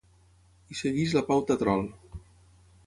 I segueix la pauta trol.